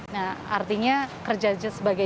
nah artinya kerja kerja sebagai jenazah